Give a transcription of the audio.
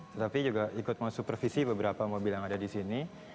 tetapi juga ikut mensupervisi beberapa mobil yang ada di sini